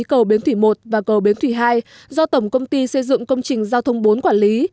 cầu bến thủy một và cầu bến thủy hai do tổng công ty xây dựng công trình giao thông bốn quản lý